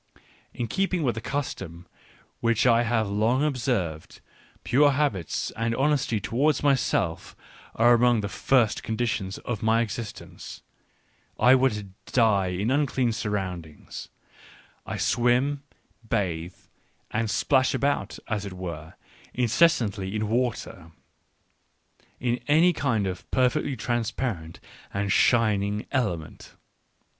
,.. In keeping with a custom which I have long observed, — pure habits and honesty towards myself are among the first conditions of my existence, I would die in unclean surroundings, — I swim, bathe, and splash about, as it were, incessantly in water, in any kind of perfectly transparent and shining element.